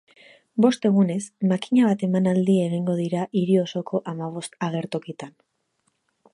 Bost egunez, makina bat emanaldi egongo dira hiri osoko hamabost agertokitan.